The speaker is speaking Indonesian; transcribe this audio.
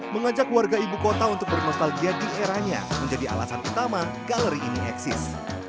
mengajak warga ibu kota untuk bernostalgia di eranya menjadi alasan utama galeri ini eksis